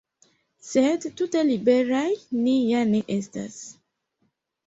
Sed tute liberaj ni ja ne estas.